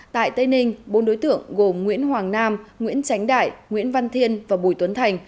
tại tây ninh bốn đối tượng gồm nguyễn hoàng nam nguyễn tránh đại nguyễn văn thiên và bùi tuấn thành